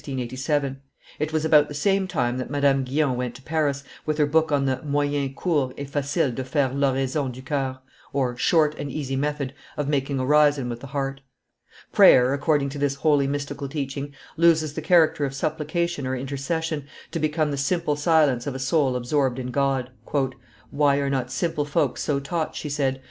It was about the same time that Madame Guyon went to Paris, with her book on the Moyen court et facile de faire l'Oraison du Coeur (Short and easy Method of making Orison with the Heart). Prayer, according to this wholly mystical teaching, loses the character of supplication or intercession, to become the simple silence of a soul absorbed in God. "Why are not simple folks so taught?" she said.